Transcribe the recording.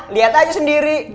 lihat aja sendiri